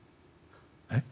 「えっ？